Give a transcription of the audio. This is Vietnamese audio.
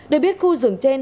để biết khu rừng trên